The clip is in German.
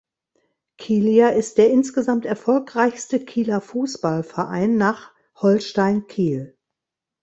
Kilia ist der insgesamt erfolgreichste Kieler Fußballverein nach Holstein Kiel.